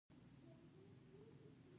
بدرنګه نه یم خو تراوسه،